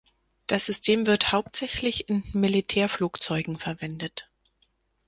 Das System wird hauptsächlich in Militärflugzeugen verwendet.